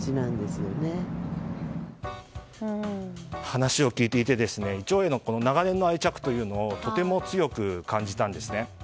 話を聞いていてイチョウへの長年の愛着をとても強く感じたんですね。